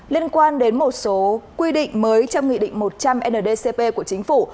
liên quan đến một số quy định mới trong nghị định một trăm linh ndcp của chính phủ